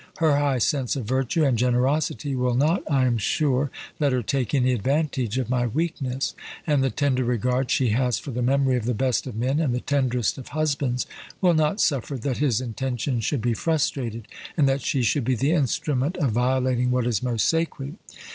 Her high sense of virtue and generosity will not, I am sure, let her take any advantage of my weakness; and the tender regard she has for the memory of the best of men, and the tenderest of husbands, will not suffer that his intentions should be frustrated, and that she should be the instrument of violating what is most sacred.